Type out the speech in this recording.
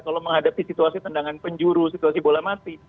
kalau menghadapi situasi tendangan penjuru situasi bola mati